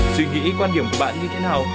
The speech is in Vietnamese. suy nghĩ quan điểm của bạn như thế nào